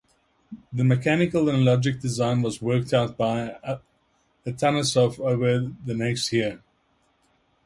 The mechanical and logic design was worked out by Atanasoff over the next year.